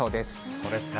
そうですか。